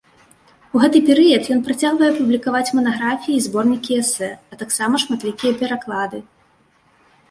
У гэты перыяд ён працягвае публікаваць манаграфіі і зборнікі эсэ, а таксама шматлікія пераклады.